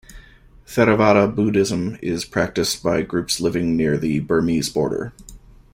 Theravada Buddhism is practiced by groups living near the Burmese border.